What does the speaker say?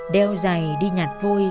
đeo giày đi nhặt vôi